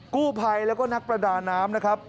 กู้ภัยแล้วก็นักประดาน้ำนะครับ